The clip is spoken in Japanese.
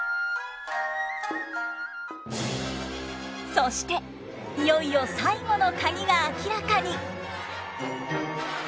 そしていよいよ最後のカギが明らかに。